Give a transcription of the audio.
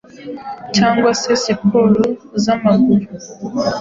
cyangwa se siporo zamaguru